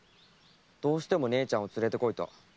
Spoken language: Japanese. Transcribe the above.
「どうしても姉ちゃんを連れてこい」と。